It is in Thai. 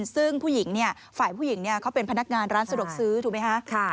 ซึ่งผู้หญิงฝ่ายผู้หญิงเขาเป็นพนักงานร้านสะดวกซื้อถูกไหมคะ